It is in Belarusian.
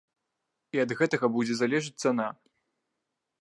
І ад гэтага будзе залежыць цана.